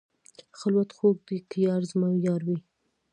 خلوت خوږ دی که یار زما یار وي.